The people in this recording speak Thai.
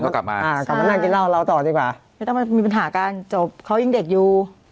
กลับมานั่งกินเหล้าเราต่อดีกว่าไม่ต้องมีปัญหากันจบเขายังเด็กอยู่